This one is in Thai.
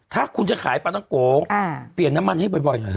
ถ้าคุณจะขายปลาต้องโกเปลี่ยนน้ำมันให้บ่อยหน่อยเ